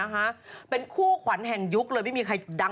โอลี่คัมรี่ยากที่ใครจะตามทันโอลี่คัมรี่ยากที่ใครจะตามทัน